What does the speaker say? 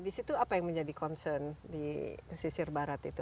di situ apa yang menjadi concern di pesisir barat itu